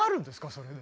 それで。